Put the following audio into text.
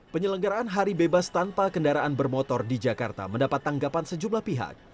penyelenggaraan hari bebas tanpa kendaraan bermotor di jakarta mendapat tanggapan sejumlah pihak